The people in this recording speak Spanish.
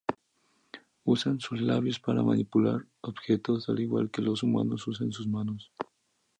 Usan sus "labios" para manipular objetos, al igual que los humanos usan sus manos.